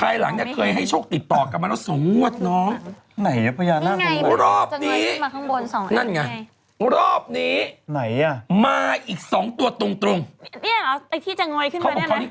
อุ๊ยวันนี้มาที่เต้าไหร่อย่างไร